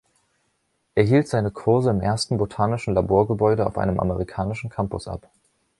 Er hielt seine Kurse im ersten botanischen Laborgebäude auf einem amerikanischen Campus ab.